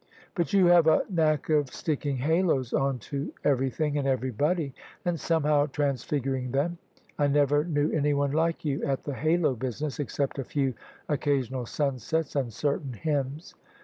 But you have a knack of sticking haloes on to ever3rthing and everybody, and somehow transfiguring them. I never knew anyone like you at the halo business, except a few occasional sunsets and certain h3rmns.